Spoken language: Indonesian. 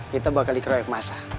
kita bakal dikeroyak masa